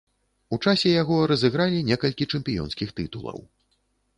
У часе яго разыгралі некалькі чэмпіёнскіх тытулаў.